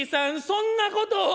そんなことを！」。